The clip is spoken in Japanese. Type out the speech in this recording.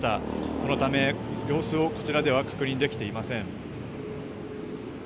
そのため、様子をこちらでは確認できていません。